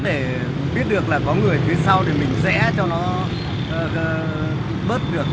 để biết được là có người phía sau thì mình sẽ cho nó bớt được